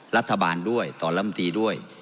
รัฐบาลด้วยต่อลำตีด้วย